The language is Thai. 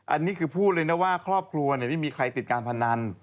อันนี้คือพูดเลยนะว่าครอบครัวไม่มีใครติดการพนัน